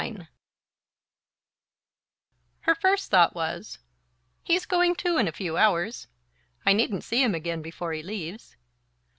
XXIX Her first thought was: "He's going too in a few hours I needn't see him again before he leaves..."